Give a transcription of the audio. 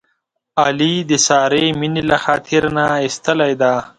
علي د سارې مینه له خاطر نه ایستلې ده.